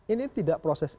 ini tidak proses